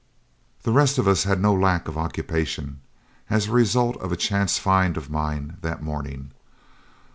The rest of us had no lack of occupation, as a result of a chance find of mine that morning.